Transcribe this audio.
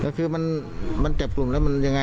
ก็คือมันมันเจ็บขลุมแล้วมันยังไง